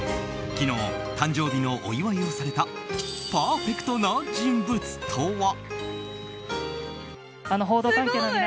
昨日、誕生日のお祝いをされたパーフェクトな人物とは。